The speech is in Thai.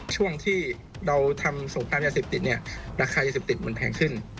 ช่วงที่เราทำสงครามยาเสพติดเนี่ยราคายาเสพติดมันแพงขึ้น